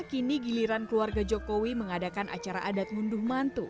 kini giliran keluarga jokowi mengadakan acara adat ngunduh mantu